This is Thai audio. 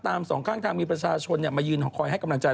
สองข้างทางมีประชาชนมายืนคอยให้กำลังใจ